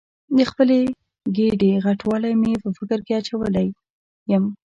د خپلې ګېډې غټوالی مې په فکر کې اچولې یم.